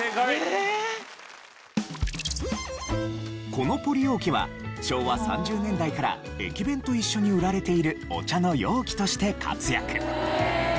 このポリ容器は昭和３０年代から駅弁と一緒に売られているお茶の容器として活躍。